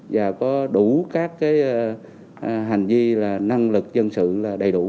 và có đủ các hành vi là năng lực dân sự là đầy đủ